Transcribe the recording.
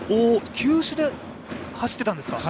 球種で走っていたんですか。